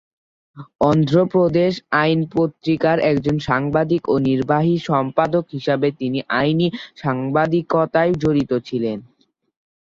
অন্ধ্রপ্রদেশ আইন পত্রিকার একজন সাংবাদিক ও নির্বাহী সম্পাদক হিসাবে তিনি আইনি সাংবাদিকতায় জড়িত ছিলেন।